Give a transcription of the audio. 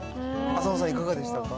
浅野さん、いかがでしたか。